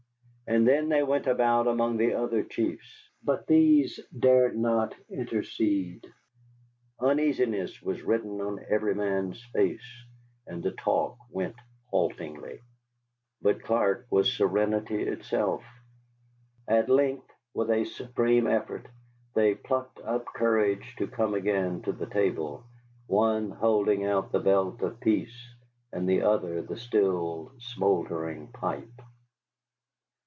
And then they went about among the other chiefs, but these dared not intercede. Uneasiness was written on every man's face, and the talk went haltingly. But Clark was serenity itself. At length with a supreme effort they plucked up courage to come again to the table, one holding out the belt of peace, and the other the still smouldering pipe.